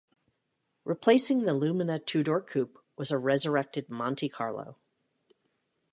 Replacing the Lumina two-door coupe was a resurrected Monte Carlo.